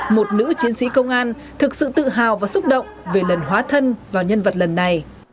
một nữ chiến sĩ công an thực sự tự hào và xúc động về lần hóa thân vào nhân vật lần này